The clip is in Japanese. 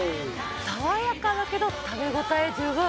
爽やかだけど食べ応え十分。